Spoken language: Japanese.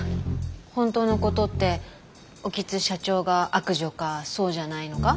本当のことって興津社長が悪女かそうじゃないのか？